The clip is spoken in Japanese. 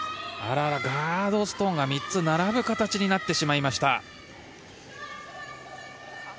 ガードストーンが３つ並ぶ形になってしまいました。